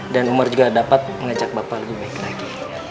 dan umar juga dapat mengajak bapak lagi baik lagi